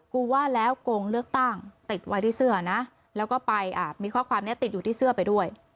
ว่าแล้วโกงเลือกตั้งติดไว้ที่เสื้อนะแล้วก็ไปมีข้อความนี้ติดอยู่ที่เสื้อไปด้วย